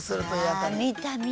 あ見た見た。